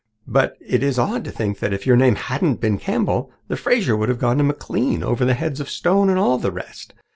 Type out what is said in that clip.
But it is odd to think that if your name hadn't been Campbell, the Fraser would have gone to McLean over the heads of Stone and all the rest.